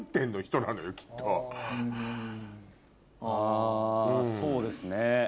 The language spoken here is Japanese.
あそうですね。